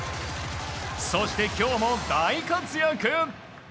そして今日も大活躍。